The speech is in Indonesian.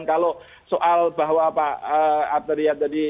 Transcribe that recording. kalau soal bahwa pak arteria tadi